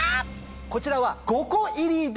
こちらは５個入りで。